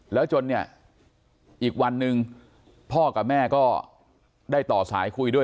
แล้วจนเนี่ยอีกวันหนึ่งพ่อกับแม่ก็ได้ต่อสายคุยด้วย